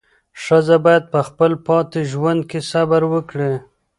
ښځه باید په خپل پاتې ژوند کې صبر وکړي.